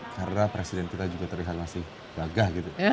karena presiden kita juga terlihat masih gagah gitu